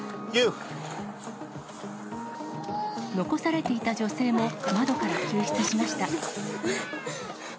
残されていた女性も、窓から救出しました。